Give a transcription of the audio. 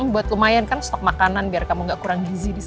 buat lumayan kan stok makanan biar kamu nggak kurang gizi bisa